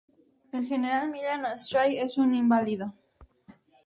El general Millán-Astray es un inválido.